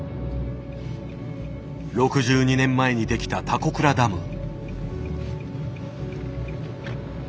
６２年前に出来た田子倉ダム。